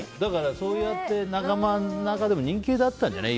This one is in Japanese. そうやって仲間の中でも人気だったんじゃない？